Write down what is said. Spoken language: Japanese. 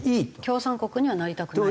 共産国にはなりたくない。